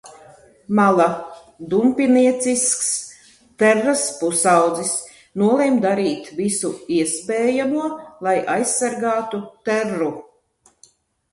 Mala, dumpiniecisks Terras pusaudzis, nolemj darīt visu iespējamo, lai aizsargātu Terru.